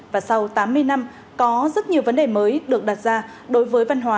và sau tám mươi năm có rất nhiều vấn đề mới được đặt ra đối với văn hóa